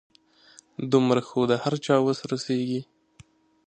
دومره خو د هر چا وس رسيږي .